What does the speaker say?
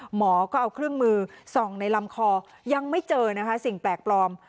หมอก็เอาเครื่องมือส่องในลำคอยังไม่เจอนะคะสิ่งแปลกปลอม